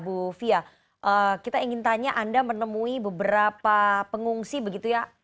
bu fia kita ingin tanya anda menemui beberapa pengungsi begitu ya